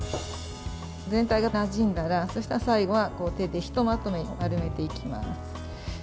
全体がなじんだら最後は手でひとまとめに丸めていきます。